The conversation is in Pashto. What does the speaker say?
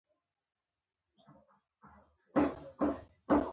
په فرانسې او هسپانیې کې برعکس سلطنتي نظامونه ټینګ شول.